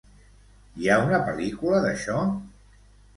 Hi ha una pel·lícula d'això?